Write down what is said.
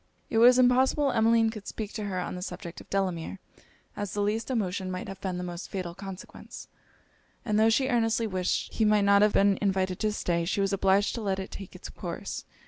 It was impossible Emmeline could speak to her on the subject of Delamere, as the least emotion might have been of the most fatal consequence; and tho' she earnestly wished he might not have been invited to stay, she was obliged to let it take it's course.